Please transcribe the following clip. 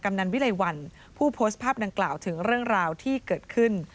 นันวิไลวันผู้โพสต์ภาพดังกล่าวถึงเรื่องราวที่เกิดขึ้น